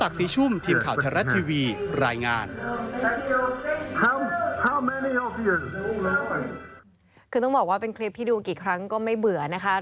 คือต้องบอกว่าเป็นคลิปที่ดูกี่ครั้งก็ไม่เบื่อนะคะ